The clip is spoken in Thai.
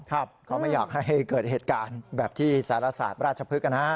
เขาไม่อยากให้เกิดเหตุการณ์แบบที่สารศาสตร์ราชพฤกษ์นะฮะ